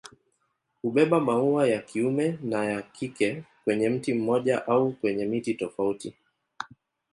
Hubeba maua ya kiume na ya kike kwenye mti mmoja au kwenye miti tofauti.